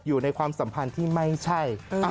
อยู่ในความสัมพันธ์ที่ไม่ใช่